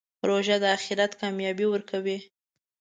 روژه د آخرت کامیابي ورکوي.